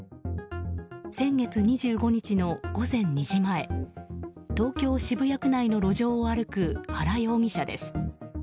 先月２５日の午前２時前東京・渋谷区内の路上を歩く原容疑者です。